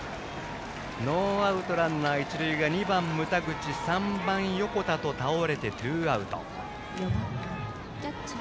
ノーアウトランナー、一塁が２番、牟田口３番、横田と倒れてツーアウト。